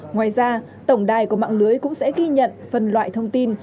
ngoài ra tổng đài của mạng lưới cũng sẽ ghi nhận phân loại thông tin